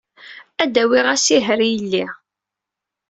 Ad d-awiɣ asiher i yelli.